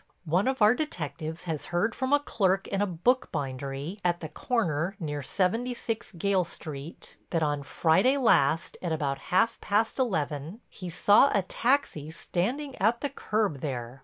One of our detectives has heard from a clerk in a book bindery at the corner near 76 Gayle Street, that on Friday last, at about half past eleven, he saw a taxi standing at the curb there.